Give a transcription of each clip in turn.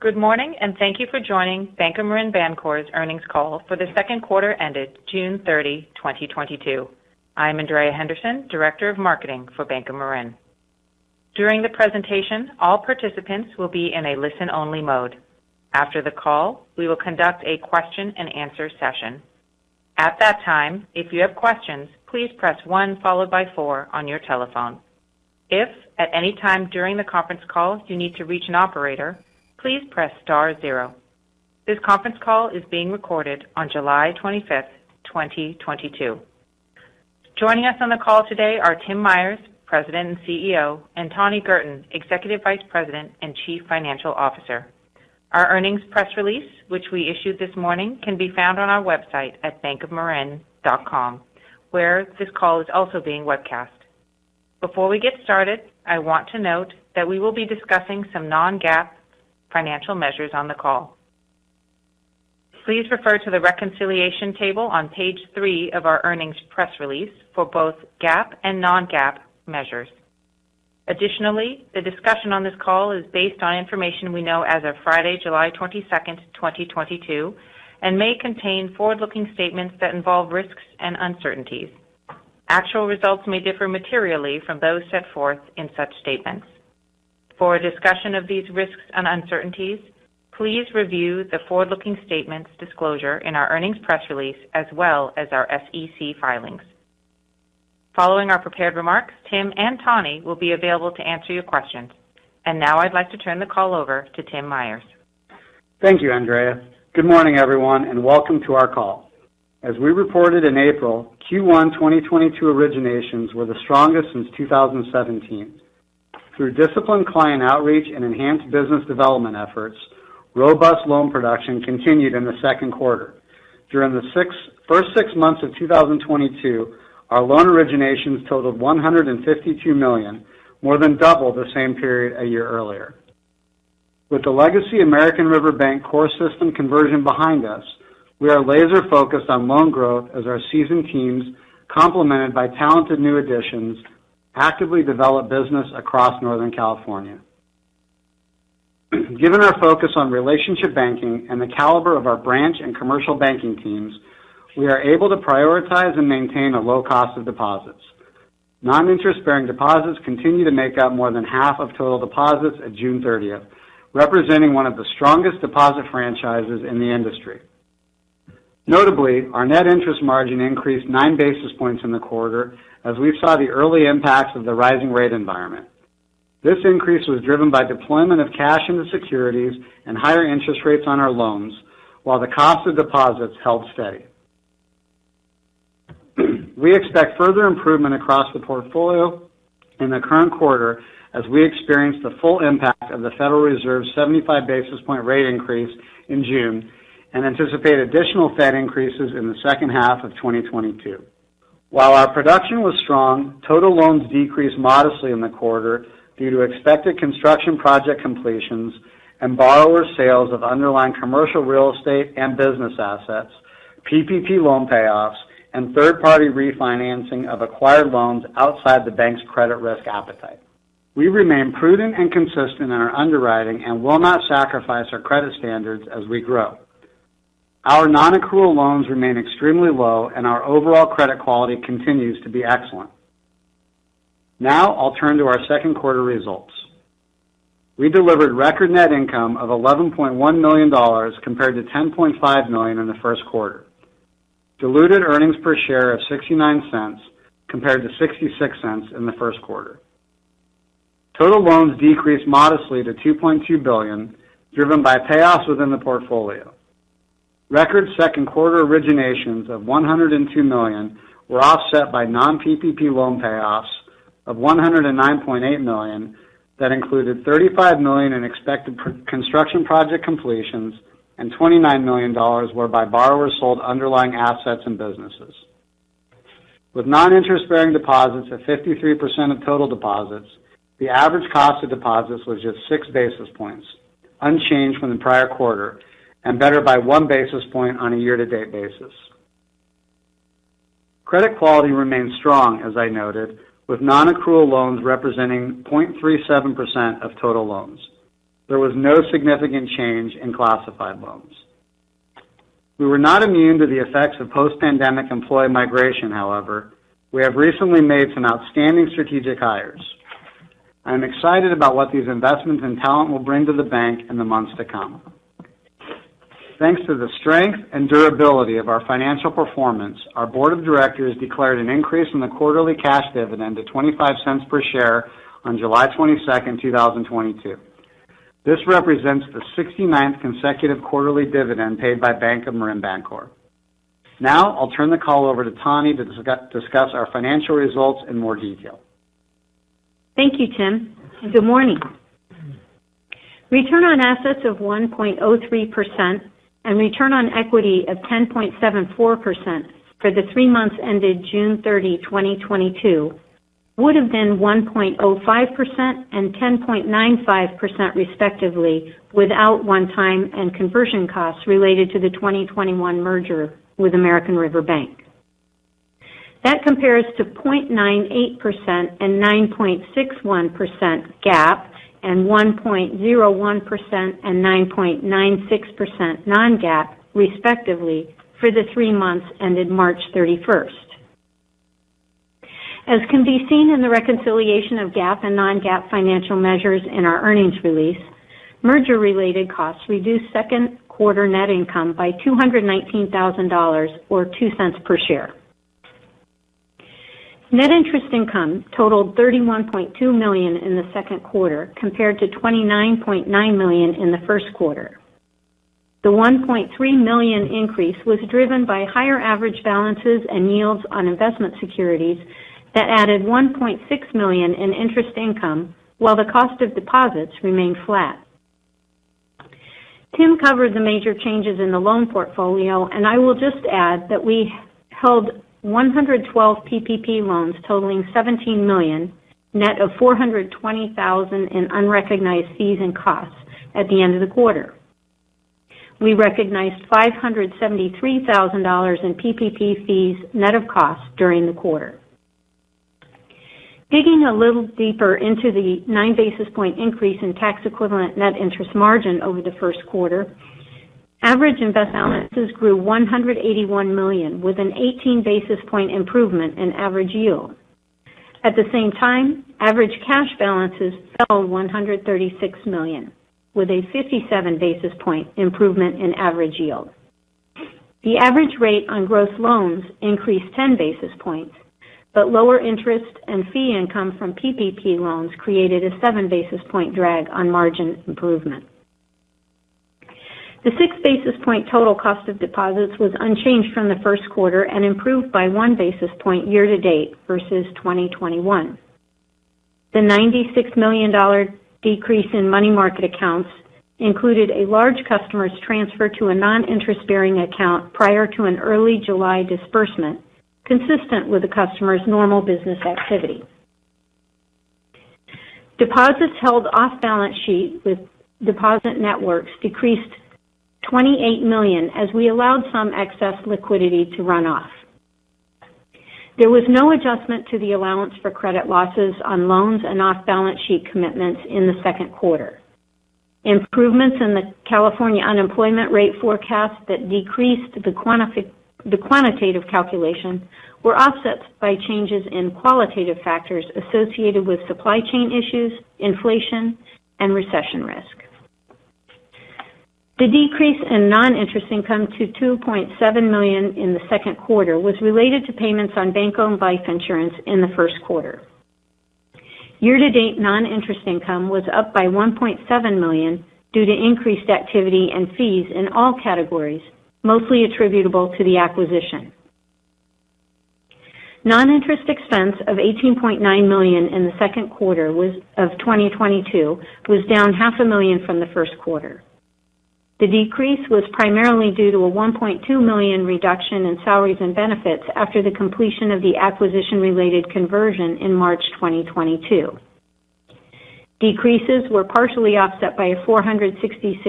Good morning, and thank you for joining Bank of Marin Bancorp's earnings call for the second quarter ended June 30, 2022. I am Andrea Henderson, Director of Marketing for Bank of Marin. During the presentation, all participants will be in a listen-only mode. After the call, we will conduct a question-and-answer session. At that time, if you have questions, please press one followed by four on your telephone. If at any time during the conference call you need to reach an operator, please press star zero. This conference call is being recorded on July 25, 2022. Joining us on the call today are Tim Myers, President and CEO, and Tani Girton, Executive Vice President and Chief Financial Officer. Our earnings press release, which we issued this morning, can be found on our website at bankofmarin.com, where this call is also being webcast. Before we get started, I want to note that we will be discussing some non-GAAP financial measures on the call. Please refer to the reconciliation table on page three of our earnings press release for both GAAP and non-GAAP measures. Additionally, the discussion on this call is based on information we know as of Friday, July 22, 2022, and may contain forward-looking statements that involve risks and uncertainties. Actual results may differ materially from those set forth in such statements. For a discussion of these risks and uncertainties, please review the forward-looking statements disclosure in our earnings press release as well as our SEC filings. Following our prepared remarks, Tim and Tani will be available to answer your questions. Now I'd like to turn the call over to Tim Myers. Thank you, Andrea. Good morning, everyone, and welcome to our call. As we reported in April, Q1 2022 originations were the strongest since 2017. Through disciplined client outreach and enhanced business development efforts, robust loan production continued in the second quarter. During the first six months of 2022, our loan originations totaled $152 million, more than double the same period a year earlier. With the legacy American River Bank core system conversion behind us, we are laser-focused on loan growth as our seasoned teams, complemented by talented new additions, actively develop business across Northern California. Given our focus on relationship banking and the caliber of our branch and commercial banking teams, we are able to prioritize and maintain a low cost of deposits. Non-interest-bearing deposits continue to make up more than half of total deposits at June 30, representing one of the strongest deposit franchises in the industry. Notably, our net interest margin increased 9 basis points in the quarter as we saw the early impacts of the rising rate environment. This increase was driven by deployment of cash into securities and higher interest rates on our loans while the cost of deposits held steady. We expect further improvement across the portfolio in the current quarter as we experience the full impact of the Federal Reserve's 75 basis points rate increase in June and anticipate additional Fed increases in the second half of 2022. While our production was strong, total loans decreased modestly in the quarter due to expected construction project completions and borrower sales of underlying commercial real estate and business assets, PPP loan payoffs, and third-party refinancing of acquired loans outside the bank's credit risk appetite. We remain prudent and consistent in our underwriting and will not sacrifice our credit standards as we grow. Our non-accrual loans remain extremely low, and our overall credit quality continues to be excellent. Now I'll turn to our second quarter results. We delivered record net income of $11.1 million compared to $10.5 million in the first quarter. Diluted earnings per share of $0.69 compared to $0.66 in the first quarter. Total loans decreased modestly to $2.2 billion, driven by payoffs within the portfolio. Record second quarter originations of $102 million were offset by non-PPP loan payoffs of $109.8 million that included $35 million in expected construction project completions and $29 million whereby borrowers sold underlying assets and businesses. With non-interest-bearing deposits at 53% of total deposits, the average cost of deposits was just 6 basis points, unchanged from the prior quarter and better by one basis point on a year-to-date basis. Credit quality remains strong, as I noted, with non-accrual loans representing 0.37% of total loans. There was no significant change in classified loans. We were not immune to the effects of post-pandemic employee migration, however. We have recently made some outstanding strategic hires. I am excited about what these investments in talent will bring to the bank in the months to come. Thanks to the strength and durability of our financial performance, our board of directors declared an increase in the quarterly cash dividend to $0.25 per share on July 22, 2022. This represents the 69th consecutive quarterly dividend paid by Bank of Marin Bancorp. Now I'll turn the call over to Tani Girton to discuss our financial results in more detail. Thank you, Tim, and good morning. Return on assets of 1.03% and return on equity of 10.74% for the three months ended June 30, 2022 would have been 1.05% and 10.95% respectively without one-time and conversion costs related to the 2021 merger with American River Bank. That compares to 0.98% and 9.61% GAAP and 1.01% and 9.96% non-GAAP, respectively, for the three months ended March 31st. As can be seen in the reconciliation of GAAP and non-GAAP financial measures in our earnings release, merger related costs reduced second quarter net income by $219,000 or $0.02 per share. Net interest income totaled $31.2 million in the second quarter compared to $29.9 million in the first quarter. The $1.3 million increase was driven by higher average balances and yields on investment securities that added $1.6 million in interest income, while the cost of deposits remained flat. Tim covered the major changes in the loan portfolio, and I will just add that we held 112 PPP loans totaling $17 million, net of $420,000 in unrecognized fees and costs at the end of the quarter. We recognized $573,000 in PPP fees net of costs during the quarter. Digging a little deeper into the 9 basis points increase in tax equivalent net interest margin over the first quarter. Average investment balances grew $181 million, with an 18 basis points improvement in average yield. At the same time, average cash balances fell $136 million, with a 57 basis points improvement in average yield. The average rate on gross loans increased 10 basis points, but lower interest and fee income from PPP loans created a 7 basis points drag on margin improvement. The 6 basis points total cost of deposits was unchanged from the first quarter and improved by one basis point year to date versus 2021. The $96 million decrease in money market accounts included a large customer's transfer to a non-interest bearing account prior to an early July disbursement, consistent with the customer's normal business activity. Deposits held off balance sheet with deposit networks decreased $28 million as we allowed some excess liquidity to run off. There was no adjustment to the allowance for credit losses on loans and off balance sheet commitments in the second quarter. Improvements in the California unemployment rate forecast that decreased the quantitative calculation were offset by changes in qualitative factors associated with supply chain issues, inflation, and recession risk. The decrease in non-interest income to $2.7 million in the second quarter was related to payments on bank owned life insurance in the first quarter. Year to date, non-interest income was up by $1.7 million due to increased activity and fees in all categories, mostly attributable to the acquisition. Non-interest expense of $18.9 million in the second quarter of 2022 was down $0.5 million from the first quarter. The decrease was primarily due to a $1.2 million reduction in salaries and benefits after the completion of the acquisition related conversion in March 2022. Decreases were partially offset by a $466,000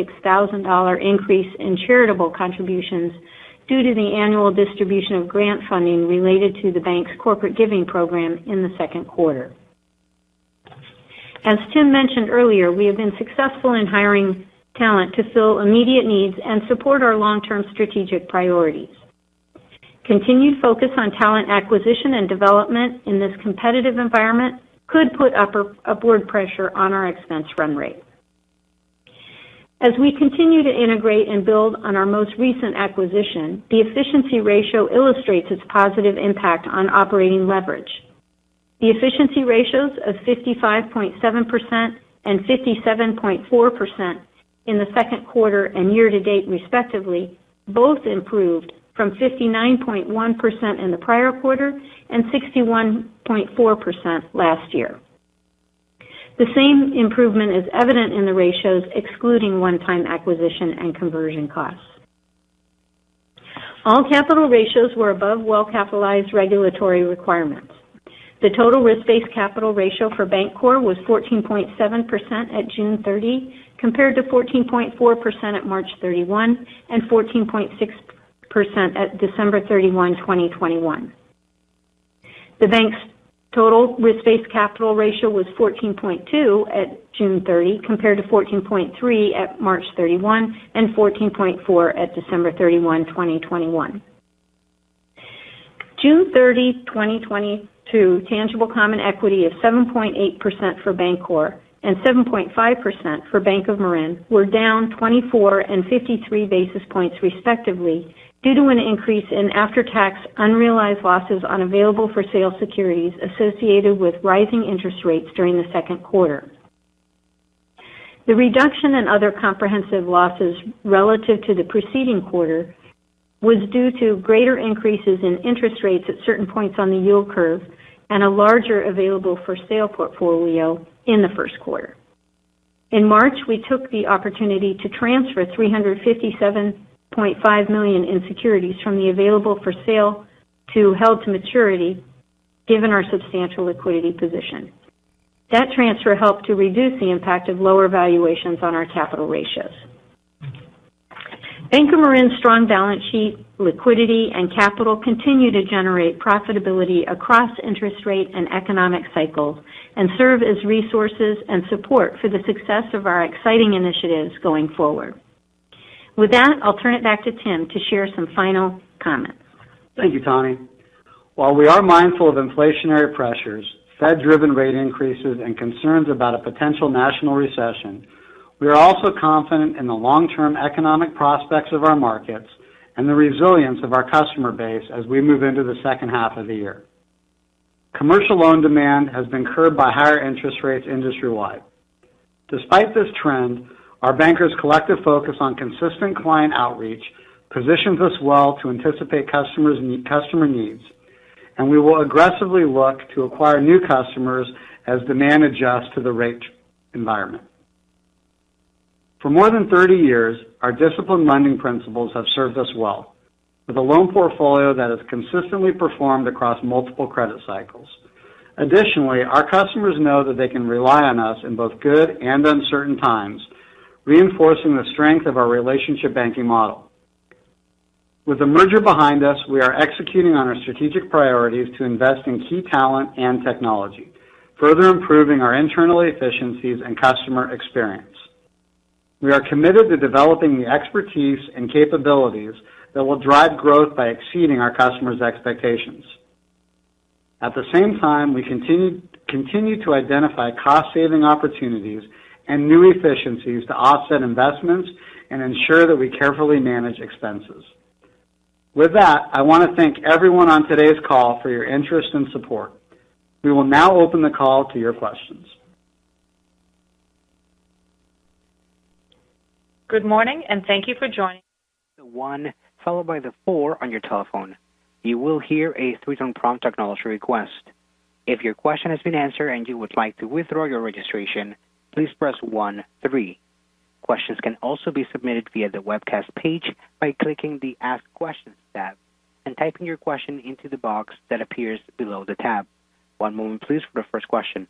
increase in charitable contributions due to the annual distribution of grant funding related to the bank's corporate giving program in the second quarter. As Tim mentioned earlier, we have been successful in hiring talent to fill immediate needs and support our long-term strategic priorities. Continued focus on talent acquisition and development in this competitive environment could put upward pressure on our expense run rate. As we continue to integrate and build on our most recent acquisition, the efficiency ratio illustrates its positive impact on operating leverage. The efficiency ratios of 55.7% and 57.4% in the second quarter and year to date, respectively, both improved from 59.1% in the prior quarter and 61.4% last year. The same improvement is evident in the ratios excluding one-time acquisition and conversion costs. All capital ratios were above well-capitalized regulatory requirements. The total risk-based capital ratio for Bancorp was 14.7% at June 30, compared to 14.4% at March 31 and 14.6% at December 31, 2021. The bank's total risk-based capital ratio was 14.2% at June 30, compared to 14.3% at March 31 and 14.4% at December 31, 2021. June 30, 2022 tangible common equity of 7.8% for Bancorp and 7.5% for Bank of Marin were down 24 basis points and 53 basis points, respectively, due to an increase in after-tax unrealized losses on available-for-sale securities associated with rising interest rates during the second quarter. The reduction in other comprehensive losses relative to the preceding quarter was due to greater increases in interest rates at certain points on the yield curve and a larger available for sale portfolio in the first quarter. In March, we took the opportunity to transfer $357.5 million in securities from the available for sale to held to maturity, given our substantial liquidity position. That transfer helped to reduce the impact of lower valuations on our capital ratios. Bank of Marin's strong balance sheet, liquidity, and capital continue to generate profitability across interest rate and economic cycles and serve as resources and support for the success of our exciting initiatives going forward. With that, I'll turn it back to Tim to share some final comments. Thank you, Tani. While we are mindful of inflationary pressures, Fed-driven rate increases and concerns about a potential national recession, we are also confident in the long-term economic prospects of our markets and the resilience of our customer base as we move into the second half of the year. Commercial loan demand has been curbed by higher interest rates industry-wide. Despite this trend, our bankers' collective focus on consistent client outreach positions us well to anticipate customer needs, and we will aggressively look to acquire new customers as demand adjusts to the rate environment. For more than 30 years, our disciplined lending principles have served us well, with a loan portfolio that has consistently performed across multiple credit cycles. Additionally, our customers know that they can rely on us in both good and uncertain times, reinforcing the strength of our relationship banking model. With the merger behind us, we are executing on our strategic priorities to invest in key talent and technology, further improving our internal efficiencies and customer experience. We are committed to developing the expertise and capabilities that will drive growth by exceeding our customers' expectations. At the same time, we continue to identify cost-saving opportunities and new efficiencies to offset investments and ensure that we carefully manage expenses. With that, I want to thank everyone on today's call for your interest and support. We will now open the call to your questions. Good morning, and thank you for joining. ...the one followed by the four on your telephone. You will hear a three-tone prompt to acknowledge your request. If your question has been answered and you would like to withdraw your registration, please press one, three. Questions can also be submitted via the webcast page by clicking the Ask Question tab and typing your question into the box that appears below the tab. One moment, please, for the first question.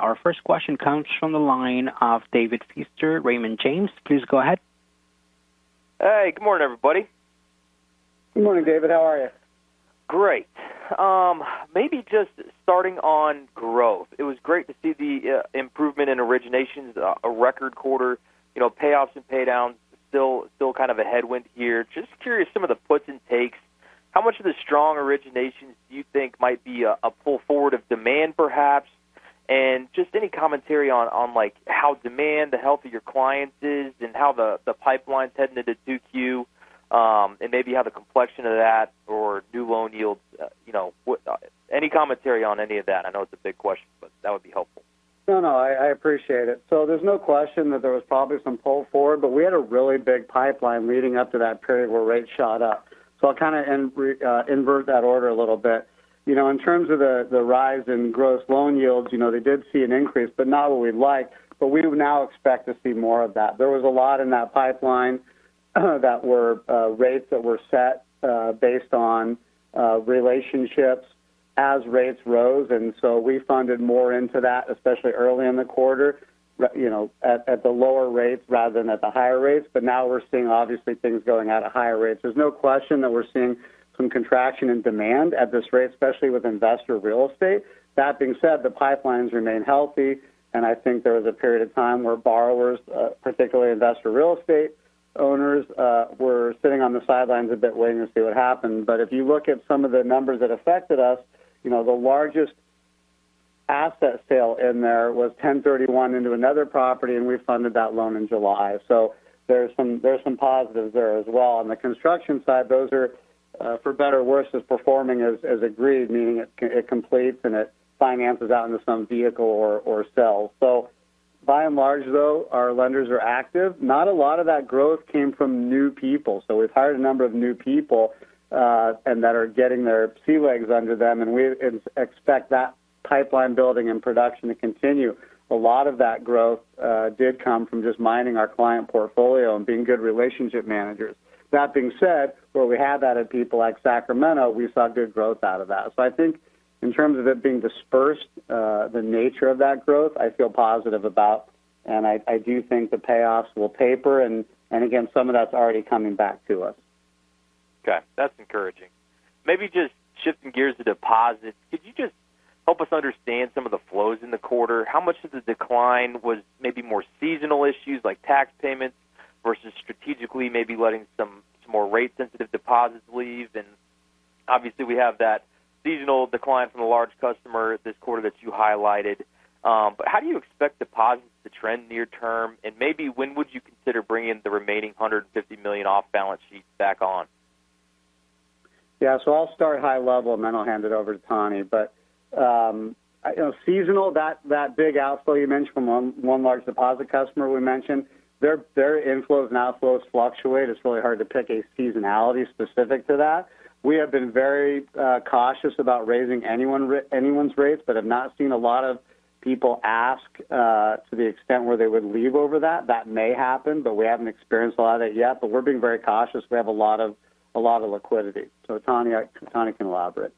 Our first question comes from the line of David Feaster, Raymond James. Please go ahead. Hey, good morning, everybody. Good morning, David. How are you? Great. Maybe just starting on growth. It was great to see the improvement in originations, a record quarter. You know, payoffs and pay downs still kind of a headwind here. Just curious some of the puts and takes. How much of the strong originations do you think might be a pull forward of demand, perhaps? And just any commentary on how demand, the health of your clients is and how the pipeline is heading into 2Q, and maybe how the complexion of that or new loan yields, you know, any commentary on any of that. I know it's a big question, but that would be helpful. No, I appreciate it. There's no question that there was probably some pull forward, but we had a really big pipeline leading up to that period where rates shot up. I'll kind of invert that order a little bit. You know, in terms of the rise in gross loan yields, they did see an increase, but not what we'd like. We do now expect to see more of that. There was a lot in that pipeline that were rates that were set based on relationships as rates rose. We funded more into that, especially early in the quarter, at the lower rates rather than at the higher rates. Now we're seeing obviously things going out at higher rates. There's no question that we're seeing some contraction in demand at this rate, especially with investor real estate. That being said, the pipelines remain healthy, and I think there was a period of time where borrowers, particularly investor real estate owners, were sitting on the sidelines a bit waiting to see what happened. If you look at some of the numbers that affected us, the largest asset sale in there was 1031 exchange into another property, and we funded that loan in July. There's some positives there as well. On the construction side, those are, for better or worse, is performing as agreed, meaning it completes and it finances out into some vehicle or sells. By and large, though, our lenders are active. Not a lot of that growth came from new people. We've hired a number of new people, and that are getting their sea legs under them, and we expect that pipeline building and production to continue. A lot of that growth did come from just mining our client portfolio and being good relationship managers. That being said, where we have added people like Sacramento, we saw good growth out of that. I think in terms of it being dispersed, the nature of that growth, I feel positive about and I do think the payoffs will taper and again, some of that's already coming back to us. Okay, that's encouraging. Maybe just shifting gears to deposits. Could you just help us understand some of the flows in the quarter? How much of the decline was maybe more seasonal issues like tax payments versus strategically maybe letting some more rate sensitive deposits leave? Obviously, we have that seasonal decline from the large customer this quarter that you highlighted. How do you expect deposits to trend near term? Maybe when would you consider bringing the remaining $150 million off balance sheets back on? Yeah. I'll start high level, and then I'll hand it over to Tani. you know, seasonal, that big outflow you mentioned from one large deposit customer we mentioned, their inflows and outflows fluctuate. It's really hard to pick a seasonality specific to that. We have been very cautious about raising anyone's rates, but have not seen a lot of people ask, to the extent where they would leave over that. That may happen, but we haven't experienced a lot of it yet. We're being very cautious. We have a lot of liquidity. Tani can elaborate.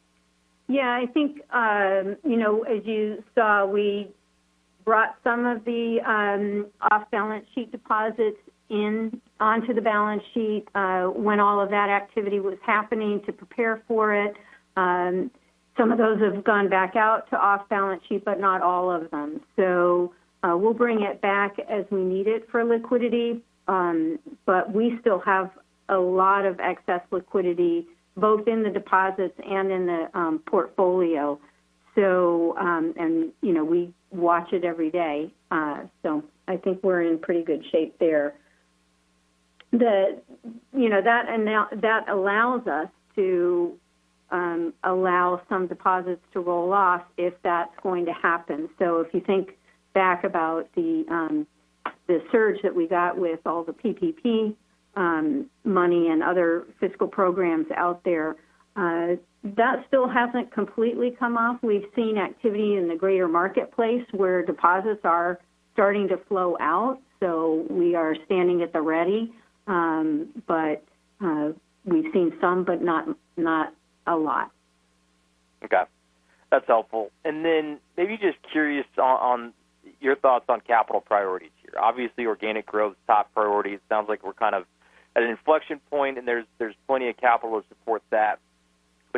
Yeah, I think, as you saw, we brought some of the off-balance-sheet deposits in onto the balance sheet when all of that activity was happening to prepare for it. Some of those have gone back out to off-balance-sheet, but not all of them. We'll bring it back as we need it for liquidity. But we still have a lot of excess liquidity both in the deposits and in the portfolio. You know, we watch it every day. I think we're in pretty good shape there. That allows us to allow some deposits to roll off if that's going to happen. If you think back about the surge that we got with all the PPP money and other fiscal programs out there, that still hasn't completely come off. We've seen activity in the greater marketplace where deposits are starting to flow out. We are standing at the ready. We've seen some, but not a lot. Okay. That's helpful. Maybe just curious on your thoughts on capital priorities here. Obviously, organic growth top priority. It sounds like we're kind of at an inflection point, and there's plenty of capital to support that.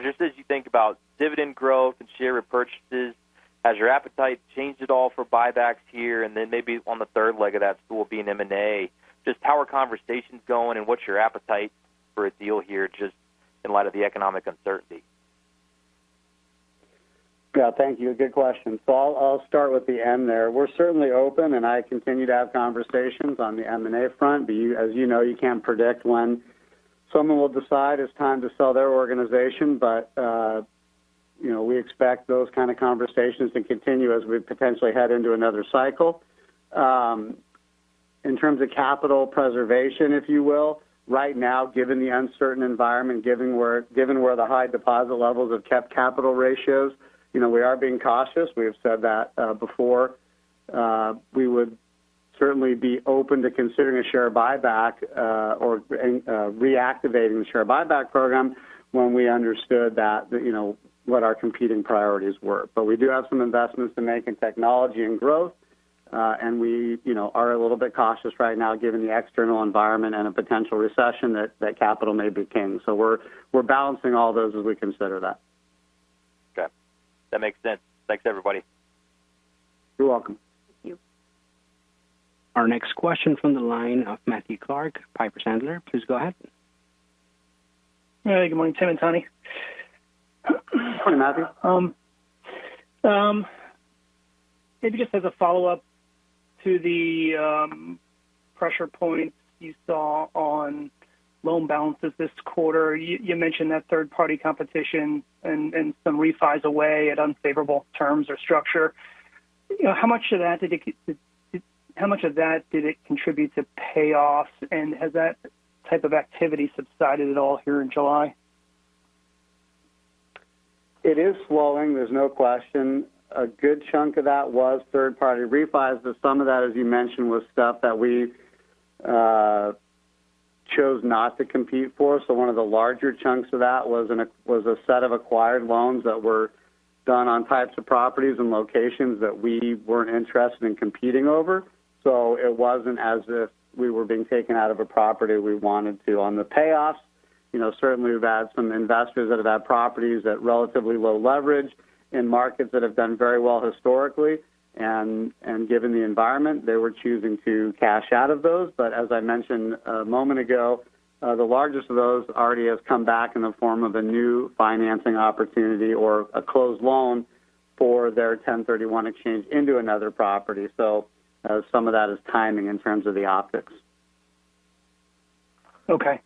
Just as you think about dividend growth and share repurchases, has your appetite changed at all for buybacks here? Maybe on the third leg of that stool being M&A, just how are conversations going, and what's your appetite for a deal here just in light of the economic uncertainty? Yeah. Thank you. Good question. I'll start with the end there. We're certainly open, and I continue to have conversations on the M&A front. As you know, can't predict when someone will decide it's time to sell their organization. We expect those kind of conversations to continue as we potentially head into another cycle. In terms of capital preservation, if you will, right now, given the uncertain environment, given where the high deposit levels have kept capital ratios, we are being cautious. We have said that before. We would certainly be open to considering a share buyback or reactivating the share buyback program when we understood what our competing priorities were. We do have some investments to make in technology and growth. We are a little bit cautious right now given the external environment and a potential recession that capital may be king. We're balancing all those as we consider that. Okay. That makes sense. Thanks, everybody. You're welcome. Our next question from the line of Matthew Clark, Piper Sandler. Please go ahead. Hey. Good morning, Tim and Tani. Morning, Matthew. Maybe just as a follow-up to the pressure points you saw on loan balances this quarter. You mentioned that third-party competition and some REFIS away at unfavorable terms or structure. How much of that did it contribute to payoffs? And has that type of activity subsided at all here in July? It is slowing. There's no question. A good chunk of that was third-party refis, but some of that, as you mentioned, was stuff that we chose not to compete for. One of the larger chunks of that was a set of acquired loans that were done on types of properties and locations that we weren't interested in competing over. It wasn't as if we were being taken out of a property we wanted to. On the payoffs, you know, certainly we've had some investors that have had properties at relatively low leverage in markets that have done very well historically. Given the environment, they were choosing to cash out of those. As I mentioned a moment ago, the largest of those already has come back in the form of a new financing opportunity or a closed loan for their 1031 exchange into another property. Some of that is timing in terms of the optics. Okay.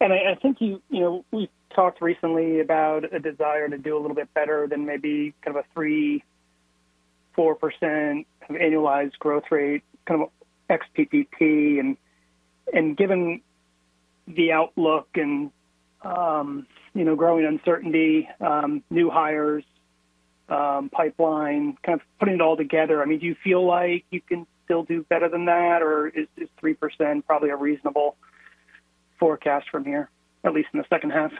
I think, we talked recently about a desire to do a little bit better than maybe kind of a 3%-4% kind of annualized growth rate, kind of ex PPP. Given the outlook and you know, growing uncertainty, new hires, pipeline, kind of putting it all together, I mean, do you feel like you can still do better than that? Or is 3% probably a reasonable forecast from here, at least in the second half?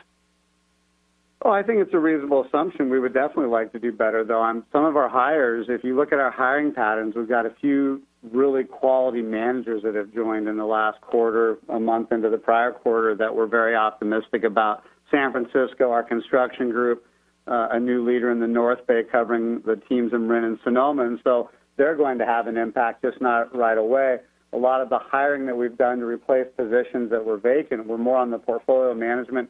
I think it's a reasonable assumption. We would definitely like to do better, though. On some of our hires, if you look at our hiring patterns, we've got a few really quality managers that have joined in the last quarter, a month into the prior quarter that we're very optimistic about. San Francisco, our construction group, a new leader in the North Bay covering the teams in Marin and Sonoma. They're going to have an impact, just not right away. A lot of the hiring that we've done to replace positions that were vacant were more on the portfolio management,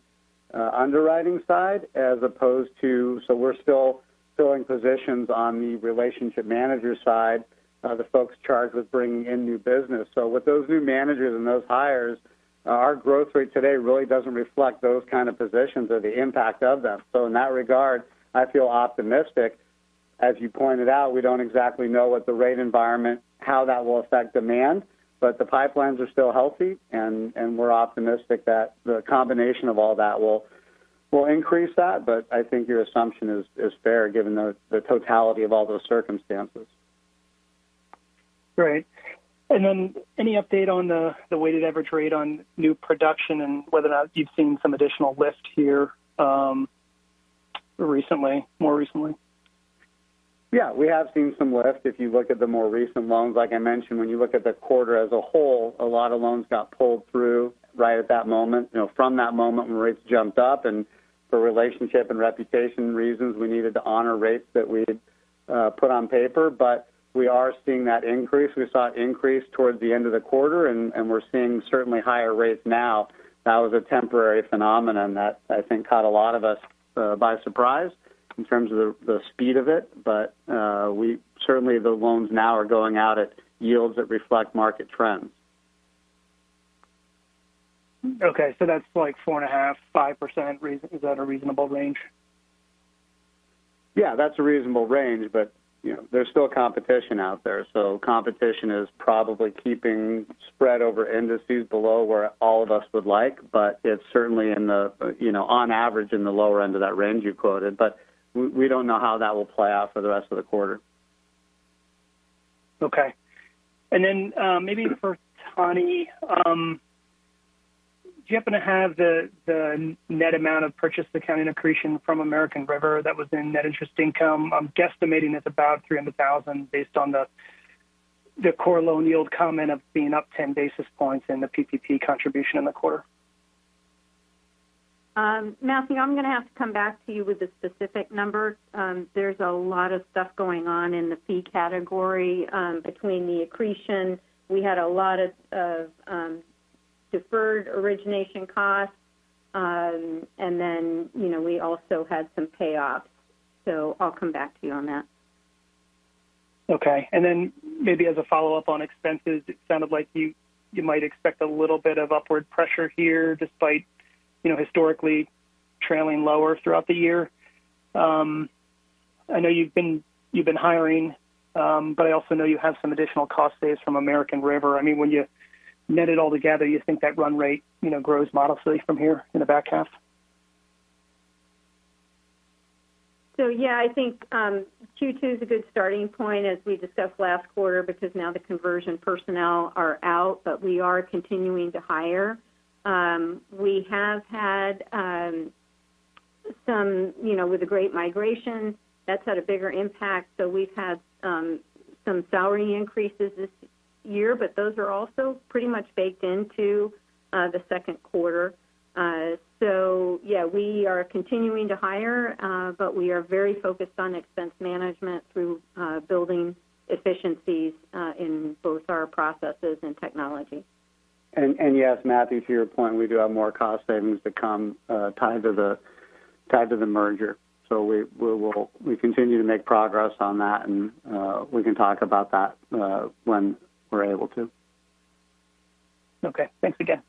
underwriting side. So we're still filling positions on the relationship manager side, the folks charged with bringing in new business. With those new managers and those hires, our growth rate today really doesn't reflect those kind of positions or the impact of them. In that regard, I feel optimistic. As you pointed out, we don't exactly know what the rate environment, how that will affect demand. The pipelines are still healthy, and we're optimistic that the combination of all that will increase that. I think your assumption is fair given the totality of all those circumstances. Great. Any update on the weighted average rate on new production and whether or not you've seen some additional lift here, recently, more recently? Yeah. We have seen some lift if you look at the more recent loans. Like I mentioned, when you look at the quarter as a whole, a lot of loans got pulled through right at that moment, you know, from that moment when rates jumped up. For relationship and reputation reasons, we needed to honor rates that we'd put on paper. We are seeing that increase. We saw it increase towards the end of the quarter, and we're seeing certainly higher rates now. That was a temporary phenomenon that I think caught a lot of us by surprise in terms of the speed of it. Certainly the loans now are going out at yields that reflect market trends. Okay. That's like 4.5%-5%. Is that a reasonable range? Yeah, that's a reasonable range. There's still competition out there, so competition is probably keeping spread over indices below where all of us would like. It's certainly in the, you know, on average, in the lower end of that range you quoted. We don't know how that will play out for the rest of the quarter. Okay. Maybe for Tani Girton. Do you happen to have the net amount of purchase accounting accretion from American River that was in net interest income? I'm guesstimating it's about $300,000 based on the core loan yield comment of being up 10 basis points in the PPP contribution in the quarter. Matthew, I'm gonna have to come back to you with a specific number. There's a lot of stuff going on in the fee category. Between the accretion, we had a lot of deferred origination costs. We also had some payoffs. I'll come back to you on that. Okay. Then maybe as a follow-up on expenses, it sounded like you might expect a little bit of upward pressure here despite, historically trailing lower throughout the year. I know you've been hiring, but I also know you have some additional cost savings from American River. I mean, when you net it all together, you think that run rate, you know, grows modestly from here in the back half? Yeah, I think Q2 is a good starting point as we discussed last quarter because now the conversion personnel are out, but we are continuing to hire. We have had some, you know, with the great migration, that's had a bigger impact. We've had some salary increases this year, but those are also pretty much baked into the second quarter. Yeah, we are continuing to hire, but we are very focused on expense management through building efficiencies in both our processes and technology. Yes, Matthew, to your point, we do have more cost savings to come, tied to the merger. We continue to make progress on that, and we can talk about that when we're able to. Okay. Thanks again.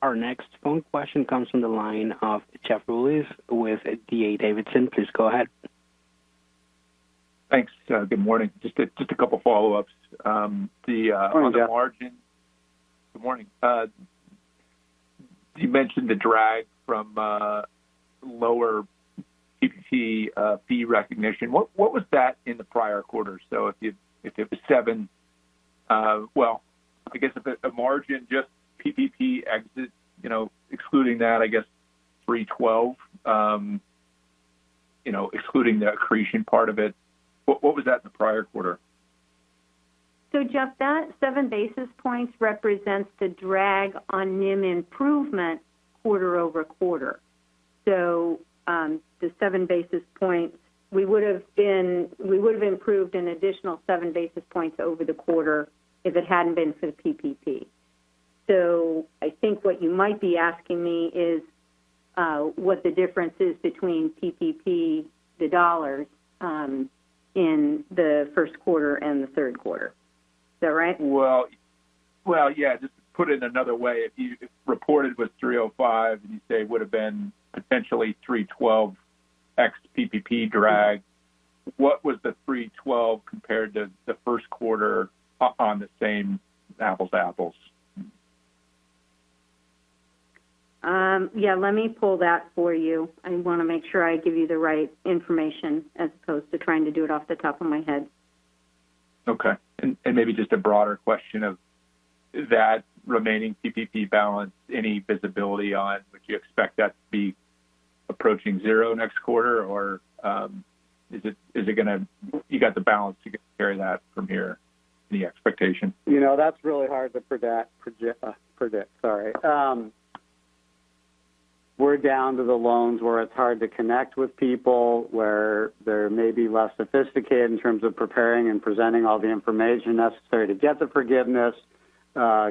Our next phone question comes from the line of Jeffrey Rulis with D.A. Davidson. Please go ahead. Thanks. Good morning. Just a couple follow-ups. Good morning, Jeff. Good morning. You mentioned the drag from lower PPP fee recognition. What was that in the prior quarter? If it was seven basis points, well, I guess if the margin just PPP exit, you know, excluding that, I guess 3.12%, you know, excluding the accretion part of it, what was that in the prior quarter? Jeff, that seven basis points represents the drag on NIM improvement quarter-over-quarter. The seven basis points, we would've improved an additional seven basis points over the quarter if it hadn't been for the PPP. I think what you might be asking me is what the difference is between PPP, the dollars, in the first quarter and the third quarter. Is that right? Well, yeah. Just to put it another way, if reported was 3.05%, and you say it would've been potentially 3.12% ex PPP drag, what was the 3.12% compared to the first quarter on the same [apples to apples]? Yeah, let me pull that for you. I wanna make sure I give you the right information as opposed to trying to do it off the top of my head. Okay. Maybe just a broader question of, is that remaining PPP balance any visibility on would you expect that to be approaching zero next quarter? Or, is it gonna, you got the balance to carry that from here, any expectation? You know, that's really hard to predict, sorry. We're down to the loans where it's hard to connect with people, where they're maybe less sophisticated in terms of preparing and presenting all the information necessary to get the forgiveness,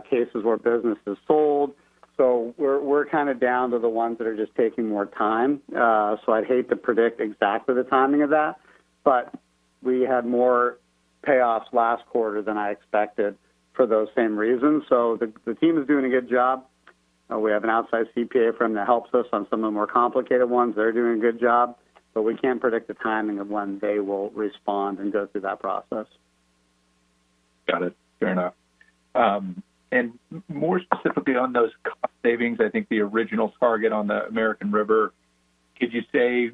cases where business is sold. We're kind of down to the ones that are just taking more time. I'd hate to predict exactly the timing of that, but we had more payoffs last quarter than I expected for those same reasons. The team is doing a good job. We have an outside CPA firm that helps us on some of the more complicated ones. They're doing a good job, but we can't predict the timing of when they will respond and go through that process. Got it. Fair enough. More specifically on those cost savings, I think the original target on the American River, could you say,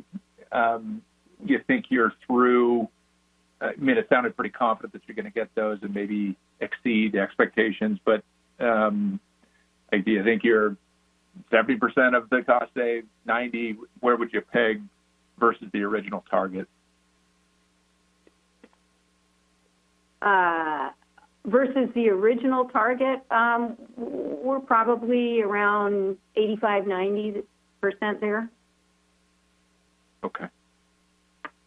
you think you're through? I mean, it sounded pretty confident that you're gonna get those and maybe exceed the expectations, but, like, do you think you're 70% of the cost save, 90%, where would you peg versus the original target? Versus the original target? We're probably around 85%-90% there. Okay.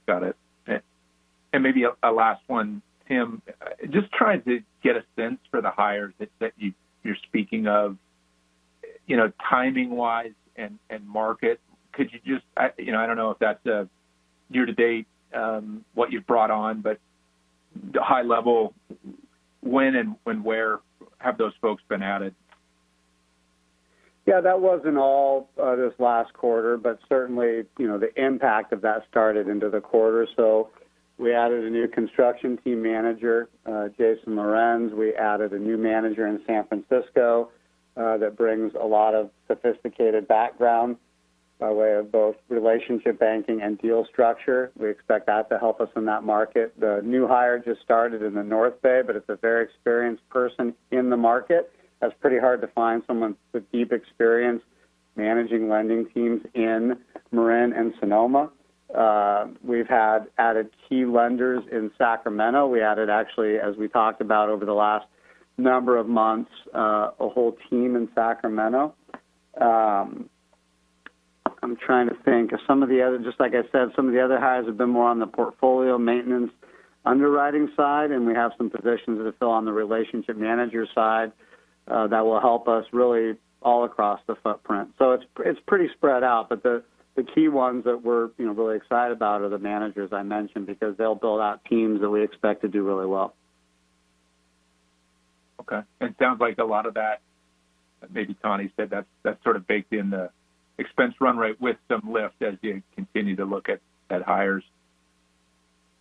Got it. Maybe a last one, Tim. Just trying to get a sense for the hires that you're speaking of, you know, timing wise and market. Could you just, I don't know if that's year to date, what you've brought on, but high level, when and where have those folks been added? Yeah, that wasn't all this last quarter, but certainly, the impact of that started into the quarter. We added a new construction team manager, Jason Lorenz. We added a new manager in San Francisco that brings a lot of sophisticated background by way of both relationship banking and deal structure. We expect that to help us in that market. The new hire just started in the North Bay, but it's a very experienced person in the market. That's pretty hard to find someone with deep experience managing lending teams in Marin and Sonoma. We've had added key lenders in Sacramento. We added, actually, as we talked about over the last number of months, a whole team in Sacramento. I'm trying to think. Just like I said, some of the other hires have been more on the portfolio maintenance underwriting side, and we have some positions to fill on the relationship manager side that will help us really all across the footprint. It's pretty spread out. The key ones that we're really excited about are the managers I mentioned because they'll build out teams that we expect to do really well. Okay. It sounds like a lot of that, maybe Tani said that's sort of baked in the expense run rate with some lift as you continue to look at hires.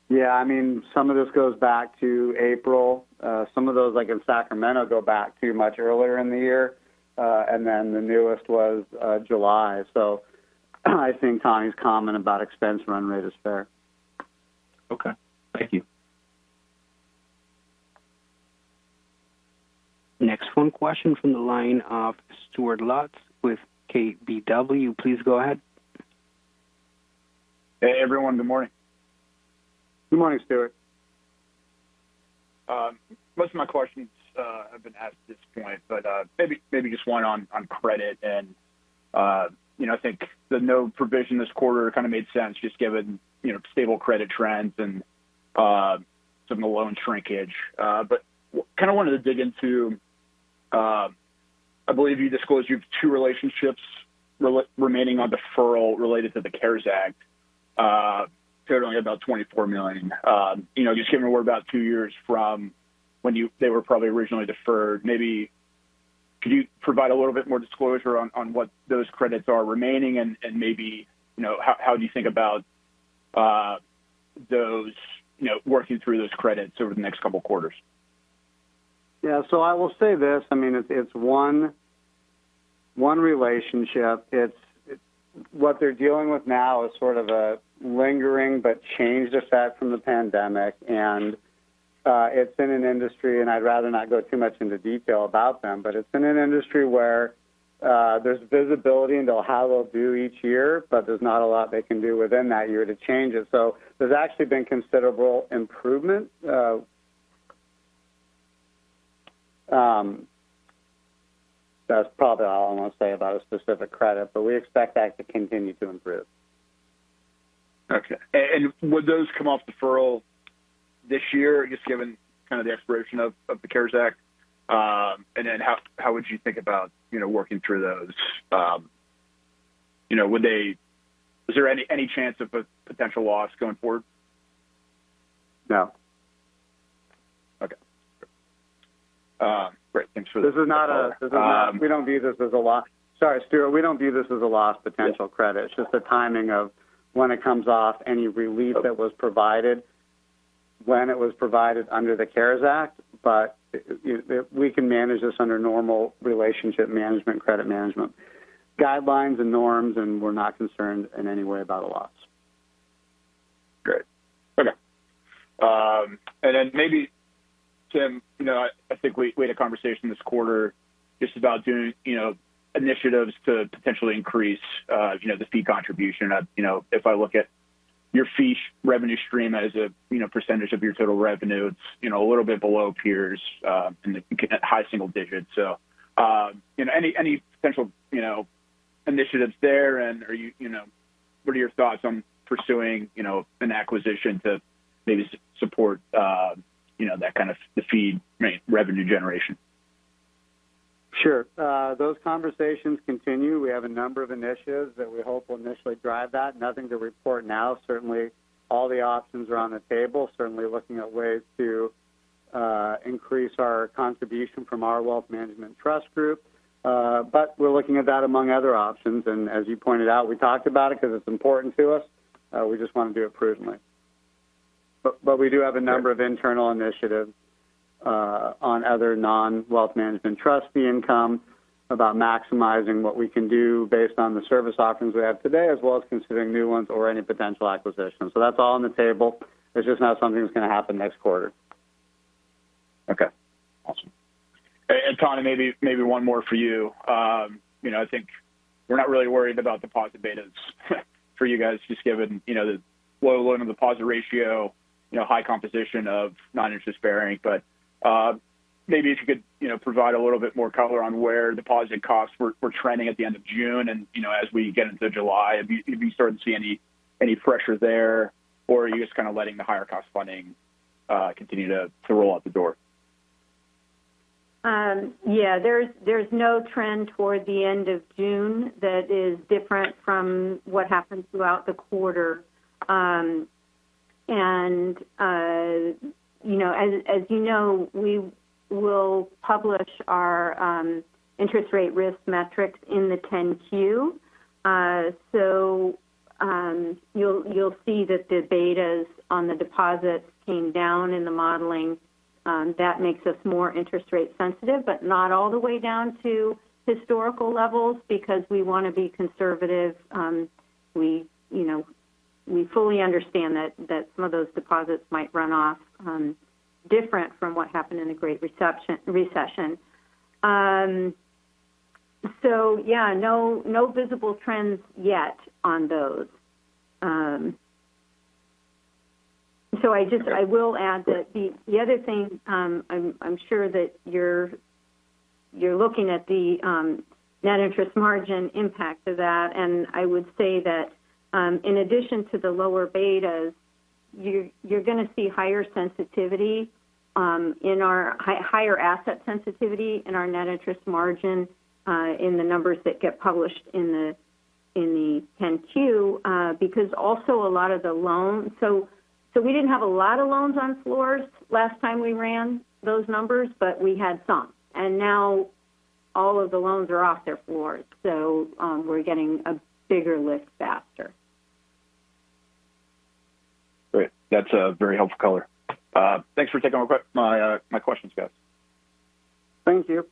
Yeah. I mean, some of this goes back to April. Some of those, like in Sacramento, go back to much earlier in the year. The newest was July. I think Tani's comment about expense run rate is fair. Okay. Thank you. Next one, question from the line of Stuart Lutz with KBW. Please go ahead. Hey, everyone. Good morning. Good morning, Stuart. Most of my questions have been asked at this point, but maybe just one on credit. I think the no provision this quarter kind of made sense just given stable credit trends and some of the loan shrinkage. Kinda wanted to dig into, I believe you disclosed you have two relationships remaining on deferral related to the CARES Act, totaling about $24 million. You know, just given we're about two years from when they were probably originally deferred, maybe could you provide a little bit more disclosure on what those credits are remaining and maybe you know how do you think about those you know working through those credits over the next couple quarters? Yeah. I will say this, I mean, it's one relationship. What they're dealing with now is sort of a lingering but changed effect from the pandemic. It's in an industry, and I'd rather not go too much into detail about them, but it's in an industry where there's visibility into how they'll do each year, but there's not a lot they can do within that year to change it. There's actually been considerable improvement. That's probably all I want to say about a specific credit, but we expect that to continue to improve. Okay. Would those come off deferral this year, just given kind of the expiration of the CARES Act? Then how would you think about, you know, working through those? You know, would they? Is there any chance of a potential loss going forward? No. Okay. Great. Thanks for the- This is not a- We don't view this as a loss. Sorry, Stuart. We don't view this as a loss potential credit. It's just the timing of when it comes off, any relief that was provided when it was provided under the CARES Act. We can manage this under normal relationship management, credit management guidelines and norms, and we're not concerned in any way about a loss. Great. Okay. Maybe, Tim, I think we had a conversation this quarter just about doing, you know, initiatives to potentially increase, the fee contribution. If I look at your fee revenue stream as a percentage of your total revenue, it's a little bit below peers, in the high single digits. Any potential initiatives there? What are your thoughts on pursuing an acquisition to maybe support, that kind of the fee revenue generation? Sure. Those conversations continue. We have a number of initiatives that we hope will initially drive that. Nothing to report now. Certainly all the options are on the table. Certainly looking at ways to increase our contribution from our wealth management trust group. But we're looking at that among other options. As you pointed out, we talked about it because it's important to us. We just want to do it prudently. We do have a number of internal initiatives on other non-wealth management trust income about maximizing what we can do based on the service offerings we have today, as well as considering new ones or any potential acquisitions. That's all on the table. It's just not something that's going to happen next quarter. Okay. Awesome. Tani, maybe one more for you. I think we're not really worried about deposit betas for you guys, just given, the low loan-to-deposit ratio, high composition of non-interest bearing. Maybe if you could provide a little bit more color on where deposit costs were trending at the end of June and as we get into July. Have you started to see any pressure there, or are you just kind of letting the higher cost funding continue to roll out the door? Yeah. There's no trend toward the end of June that is different from what happened throughout the quarter. As you know, we will publish our interest rate risk metrics in the 10-Q. You'll see that the betas on the deposits came down in the modeling. That makes us more interest rate sensitive, but not all the way down to historical levels because we wanna be conservative. We fully understand that some of those deposits might run off different from what happened in the Great Recession. Yeah, no visible trends yet on those. I will add that the other thing, I'm sure that you're looking at the net interest margin impact of that. I would say that, in addition to the lower betas, you're gonna see higher sensitivity in our higher asset sensitivity in our net interest margin in the numbers that get published in the 10-Q. Because also a lot of the loans, we didn't have a lot of loans on floors last time we ran those numbers, but we had some. Now all of the loans are off their floors, so we're getting a bigger lift faster. Great. That's a very helpful color. Thanks for taking my questions, guys. Thank you.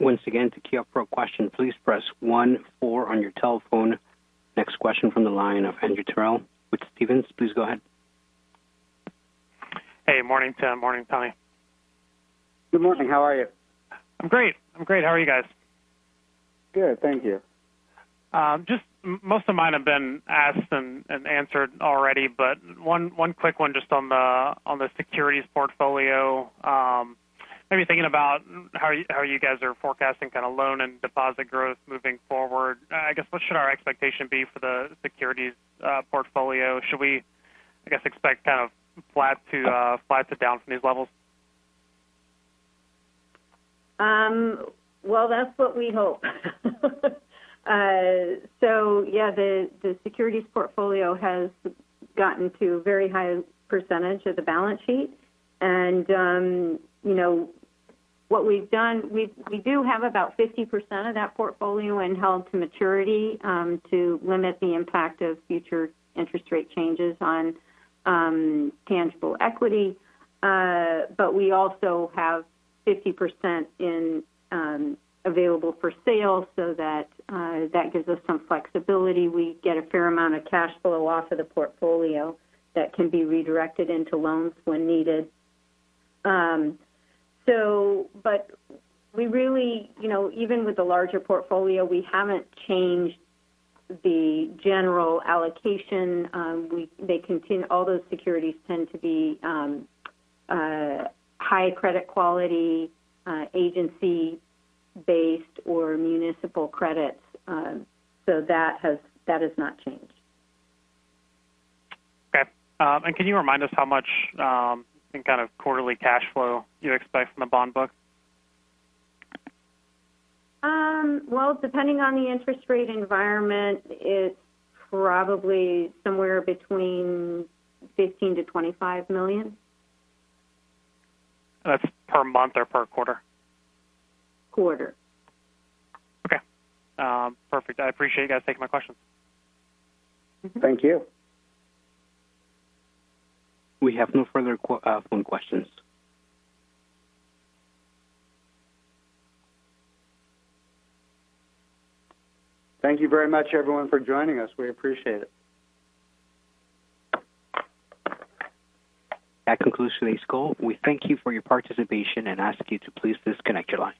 Once again, to queue up for a question, please press one-four on your telephone. Next question from the line of Andrew Terrell with Stephens. Please go ahead. Hey, morning, Tim. Morning, Tani. Good morning. How are you? I'm great. How are you guys? Good, thank you. Just most of mine have been asked and answered already, but one quick one just on the securities portfolio. Maybe thinking about how you guys are forecasting kind of loan and deposit growth moving forward. I guess what should our expectation be for the securities portfolio? Should we, I guess, expect kind of flat to down from these levels? Well, that's what we hope. Yeah, the securities portfolio has gotten to a very high percentage of the balance sheet. What we've done, we do have about 50% of that portfolio in held to maturity, to limit the impact of future interest rate changes on tangible equity. But we also have 50% in available for sale, so that gives us some flexibility. We get a fair amount of cash flow off of the portfolio that can be redirected into loans when needed. But we really, you know, even with the larger portfolio, we haven't changed the general allocation. All those securities tend to be high credit quality, agency-based or municipal credits. That has not changed. Can you remind us how much, in kind of quarterly cash flow you expect from the bond book? Well, depending on the interest rate environment, it's probably somewhere between $15 million-$25 million. That's per month or per quarter? Quarter. Okay. Perfect. I appreciate you guys taking my questions. Thank you. We have no further phone questions. Thank you very much everyone for joining us. We appreciate it. That concludes today's call. We thank you for your participation and ask you to please disconnect your lines.